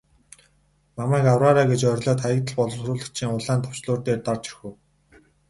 Намайг авраарай гэж орилоод Хаягдал боловсруулагчийн улаан товчлуур дээр дарж орхив.